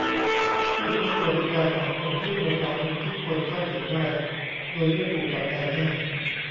ที่พักสวัสดิการสังคมที่ประชาชนทุกคนเข้าถึงได้ โดยไม่ผูกกับนายจ้าง